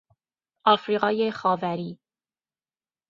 افریقای خاوری